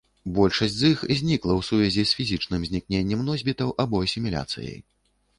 Большасць з іх знікла ў сувязі з фізічным знікненнем носьбітаў або асіміляцыяй.